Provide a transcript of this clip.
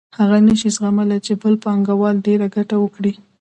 هغه نشي زغملای چې بل پانګوال ډېره ګټه وکړي